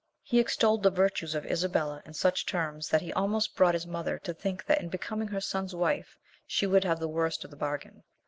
He extolled the virtues of Isabella in such terms, that he almost brought his mother to think that in becoming her son's wife she would have the worst of the bargain.